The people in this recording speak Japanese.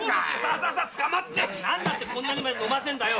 何だってこんなにまで飲ませんだよ！